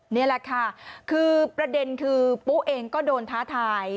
นี่แหละค่ะคือประเด็นคือปุ๊เองก็โดนท้าทาย